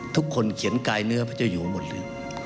ทุกคนเขียนกายเนื้อพระเจ้าอยู่หมดเลย